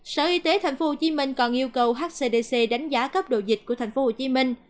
sở y tế tp hcm còn yêu cầu hcdc đánh giá cấp độ dịch của tp hcm